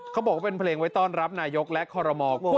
เขาบอกว่าเป็นเพลงไว้ต้อนรับนายกและคอรมอล